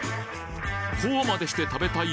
こうまでして食べたい